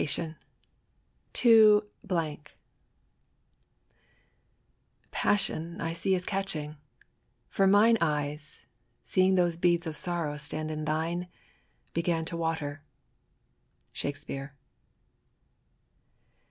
.. 197 TO * Passion I see is catching ; for mine eyes, Seeing those beads of sorrow stand in thine, Began to water." SBAKSPaRs.